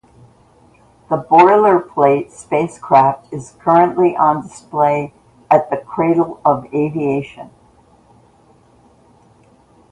The boilerplate spacecraft is currently on display at the Cradle of Aviation.